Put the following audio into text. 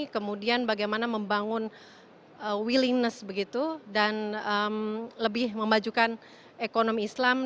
kemudian bagaimana membangun willingness begitu dan lebih memajukan ekonomi islam